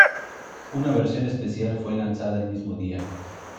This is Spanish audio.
Una versión especial fue lanzada el mismo día.